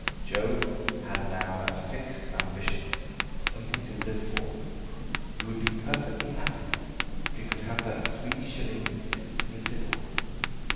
Joe had now a fixed ambition something to live for. He would be perfectly happy if he could have that three shillings and sixpenny fiddle.